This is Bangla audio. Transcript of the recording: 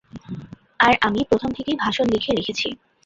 আর আমি প্রথম থেকেই ভাষণ লিখে রেখেছি।